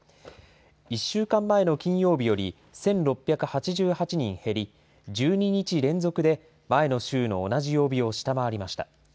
１週間前の金曜日より１６８８人減り、１２日連続で前の週の同じ曜日を下回りました。